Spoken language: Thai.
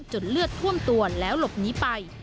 เลือดท่วมตัวแล้วหลบหนีไป